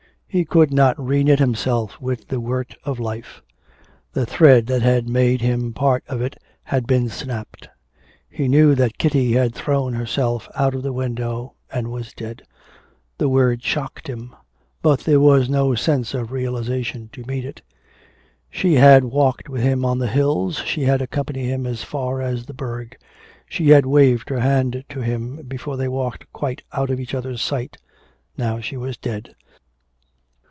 He could not re knit himself with the weft of life; the thread that had made him part of it had been snapped. He knew that Kitty had thrown herself out of the window and was dead. The word shocked him, but there was no sense of realisation to meet it. She had walked with him on the hills, she had accompanied him as far as the burgh; she had waved her hand to him before they walked quite out of each other's sight. Now she was dead.